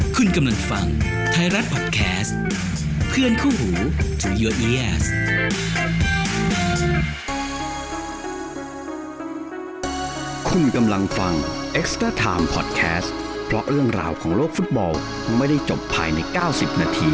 คุณกำลังฟังไทยรัฐพอดแคสต์เพื่อนคู่หูที่คุณกำลังฟังพอดแคสต์เพราะเรื่องราวของโลกฟุตบอลไม่ได้จบภายในเก้าสิบนาที